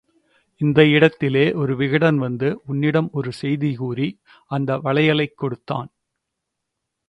இந்த இடத்திலே, ஒரு விகடன் வந்து உன்னிடம் ஒரு செய்தி கூறி அந்த வளையலைக் கொடுத்தான்.